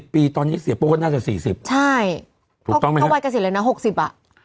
๒๐ปีตอนนี้เสียโป้ก็น่าจะ๔๐ปีถูกต้องมั้ยครับใช่เขาวัยเกษียณเลยนะ๖๐ปีอ่ะ